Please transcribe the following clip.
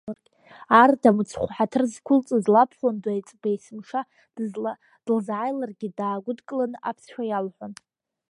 Арда мыцхәы ҳаҭыр зқәылҵоз лабхәында еиҵбы есымша дылзааиларгьы, даагәыдкылан аԥсшәа иалҳәон.